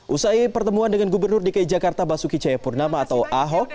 usai pertemuan dengan gubernur dki jakarta basuki cayapurnama atau ahok